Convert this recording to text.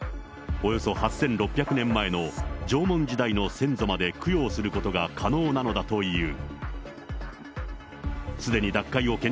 およそ８６００年前の縄文時代の先祖まで供養することが可能なのだという。